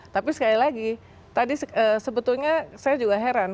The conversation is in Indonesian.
tapi sekali lagi tadi sebetulnya saya juga heran